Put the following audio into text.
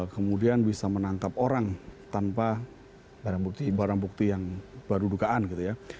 kemudian bisa menangkap orang tanpa barang bukti yang baru dugaan gitu ya